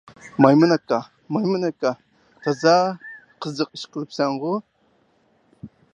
مايمۇن ئاكا، مايمۇن ئاكا، تازا قىزىق ئىش قىلىپسەنغۇ!